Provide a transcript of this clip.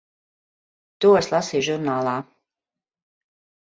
To es lasīju žurnālā.